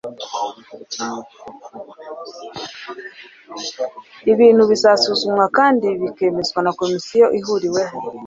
ibintu bizanasuzumwa kandi bikemezwa na komisiyo ihuriweho